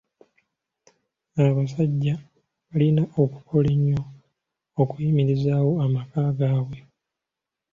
Abasajja balina okukola ennyo okuyimirizaawo amaka gaabwe.